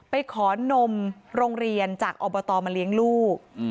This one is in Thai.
ไปขอนมโรงเรียนจากอบตมาเลี้ยงลูก